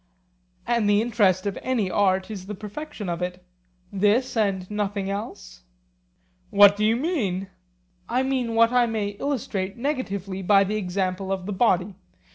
And the interest of any art is the perfection of it—this and nothing else? What do you mean? I mean what I may illustrate negatively by the example of the body.